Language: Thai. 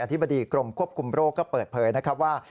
ธิบดีกรมควบคุมโรคก็เปิดเผยนะครับว่า